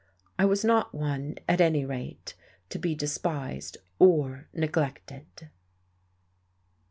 I was not one, at any rate, to be despised or neglected.